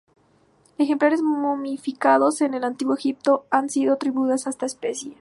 Ejemplares momificados en el Antiguo Egipto han sido atribuidos a esta especie.